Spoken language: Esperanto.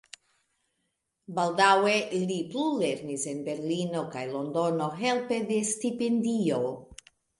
Baldaŭe li plulernis en Berlino kaj Londono helpe de stipendio.